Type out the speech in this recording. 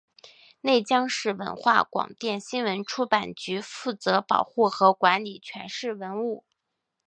内江市文化广电新闻出版局负责保护和管理全市文物。